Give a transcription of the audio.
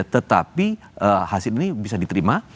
tetapi hasil ini bisa diterima